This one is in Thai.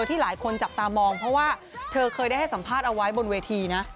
ที่หลายคนจับตามองเพราะว่าเธอเคยได้ให้สัมภาษณ์เอาไว้บนเวทีนะ